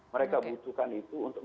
mereka butuhkan itu untuk